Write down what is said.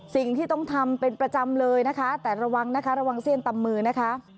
สิ่งที่ต้องทำเป็นประจำเลยนะคะแต่ระวังเส้นตำมือนะคะ